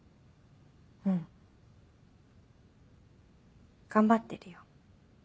うん頑張ってるよ。